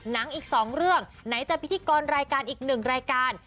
อีก๒เรื่องไหนจะพิธีกรรายการอีกหนึ่งรายการ